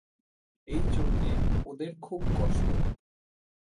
এই জন্যে ওদের খুব কষ্ট।